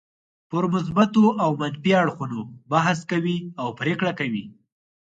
پر مثبتو او منفي اړخونو بحث کوي او پرېکړه کوي.